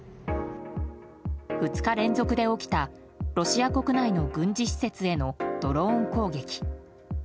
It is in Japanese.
２日連続で起きたロシア国内の軍事施設へのドローン攻撃。